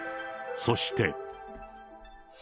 そして。